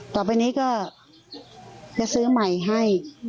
ต่อไปนี้ก็จะซื้อใหม่ให้